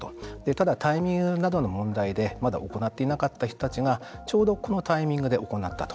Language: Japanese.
ただ、タイミングなどの問題でまだ行っていなかった人たちがちょうど、このタイミングで行ったと。